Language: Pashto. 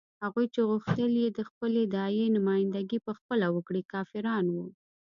هغوی چې غوښتل یې د خپلې داعیې نمايندګي په خپله وکړي کافران وو.